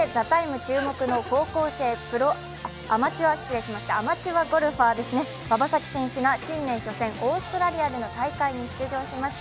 注目の高校生アマチュアゴルファー、馬場咲希選手が新年初戦オーストラリアでの大会に出場しました。